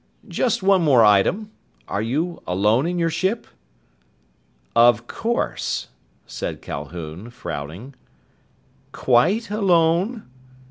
"Just one more item. Are you alone in your ship?" "Of course," said Calhoun, frowning. "Quite alone?"